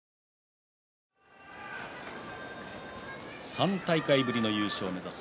３大会ぶりの優勝を目指す